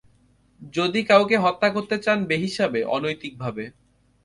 যদি কাউকে হত্যা করতে চান বেহিসাবে, অনৈতিকভাবে।